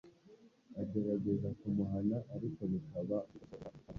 Agerageza kumuhana, ariko bikaba kugosorera mu rucaca.